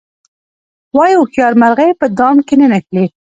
وایي هوښیاره مرغۍ په دام کې نه نښلي.